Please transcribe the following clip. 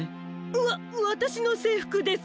わわたしのせいふくです。